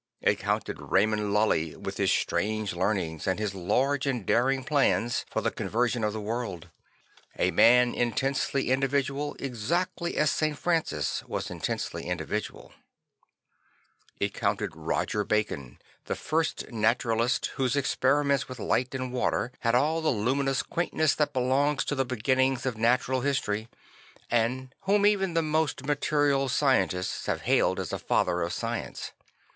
It counted Raymond Lully with his strange learning and his large and daring plans for the conversion of the world; a man intensely individual exactly as St. Francis was intensely individual. It 182 St. Francis of Assisi counted Roger Bacon, the first naturalist whose experiments with light and water had all the luminous quaintness that belongs to the beginnings of natural history; and whom even the most material scientists have hailed as a father of science.